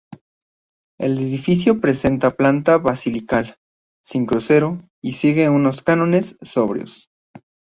El edificio presenta planta basilical, sin crucero, y sigue unos cánones sobrios.